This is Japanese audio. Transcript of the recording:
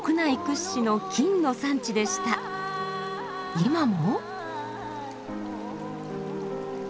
今も。